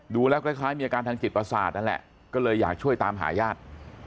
ดูแล้วคล้ายมีอาการทางจิตประสาทนั่นแหละก็เลยอยากช่วยตามหาญาติ